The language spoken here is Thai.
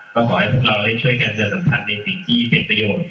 ก็ขอให้พวกเราได้ช่วยกันประชาสัมพันธ์ในสิ่งที่เป็นประโยชน์